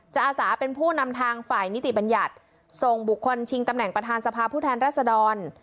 อาสาเป็นผู้นำทางฝ่ายนิติบัญญัติส่งบุคคลชิงตำแหน่งประธานสภาผู้แทนรัศดร